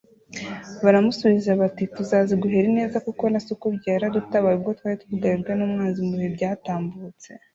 Baramusubiza bati Turaziguhera ineza kuko na so ukubyara yaradutabaye ubwo twari twugarijwe n’umwanzi mu bihe byatambutse.